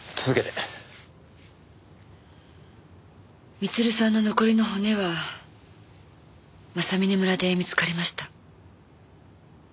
光留さんの残りの骨は正峰村で見つかりました。